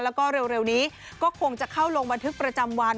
แล้วก็เร็วนี้ก็คงจะเข้าลงบันทึกประจำวัน